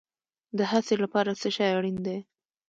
د هڅې لپاره څه شی اړین دی؟